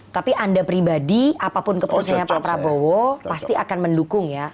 tapi anda pribadi apapun keputusannya pak prabowo pasti akan mendukung ya